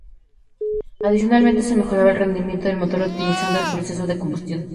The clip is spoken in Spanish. Adicionalmente, se mejoraba el rendimiento del motor optimizando el proceso de combustión.